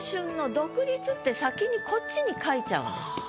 って先にこっちに書いちゃうんです。